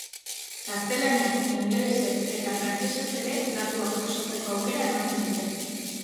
Gaztelaniaz, ingelesez eta frantsesez ere datuak jasotzeko aukera ematen dute.